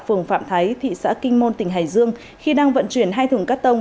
phường phạm thái thị xã kinh môn tỉnh hải dương khi đang vận chuyển hai thường cát tông